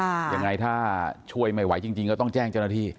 ยังไงถ้าช่วยไม่ไหวจริงจริงก็ต้องแจ้งเจ้าหน้าที่